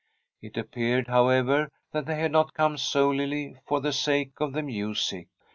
It ap i>eared, however, that they had not come solely or the sake of the music.